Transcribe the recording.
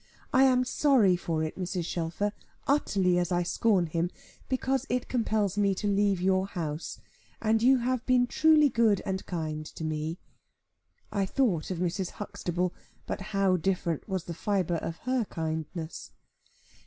I am sorry for it, Mrs. Shelfer, utterly as I scorn him, because it compels me to leave your house; and you have been truly good and kind to me." I thought of Mrs. Huxtable; but how different was the fibre of her kindness!